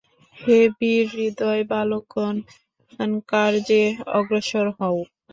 হে বীরহৃদয় বালকগণ, কার্যে অগ্রসর হও।